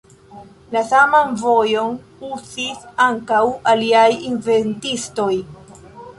La saman vojon uzis ankaŭ aliaj inventistoj.